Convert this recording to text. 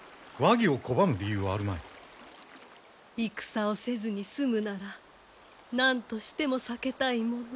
戦をせずに済むなら何としても避けたいもの。